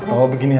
atau begini saja